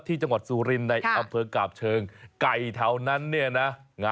ที่จังหวัดสุรินทร์ในอะเพิร์นกามเชิง